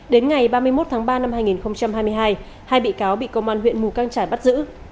đến ngày ba mươi một tháng ba năm hai nghìn hai mươi hai hai bị cáo bị công an huyện mù căng trải bắt giữ